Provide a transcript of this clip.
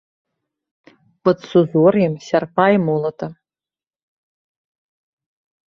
Пад сузор'ем сярпа і молата.